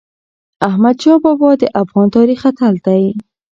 احمدشاه بابا د افغان تاریخ اتل دی.